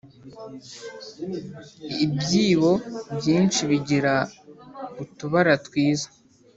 ibyibo byinshi bigira utubara twiza